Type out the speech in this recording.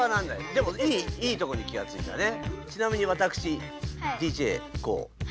でもいいとこに気がついたね。